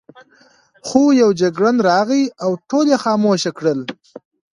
خو یو جګړن راغی او ټول یې خاموشه کړل.